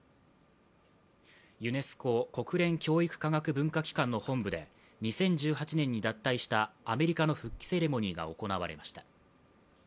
ユネスコ＝国連教育科学文化機関の本部で２０１８年に脱退したアメリカの復帰セレモニーが行われました。